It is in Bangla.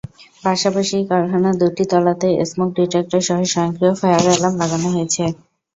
পাশাপাশি কারখানার দুটি তলাতেই স্মোক ডিটেক্টরসহ স্বয়ংক্রিয় ফায়ার অ্যালার্ম লাগানো হয়েছে।